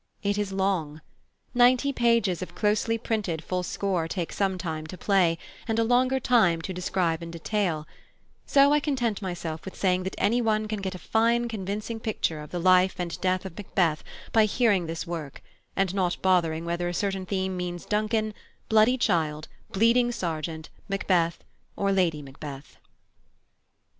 It is long. Ninety pages of closely printed full score take some time to play, and a longer time to describe in detail: so I content myself with saying that anyone can get a fine, convincing picture of the life and death of Macbeth by hearing this work and not bothering whether a certain theme means Duncan, Bloody Child, Bleeding Sergeant, Macbeth, or Lady Macbeth.